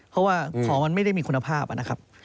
เพราะว่าของมันไม่ได้มีคุณภาพนะครับ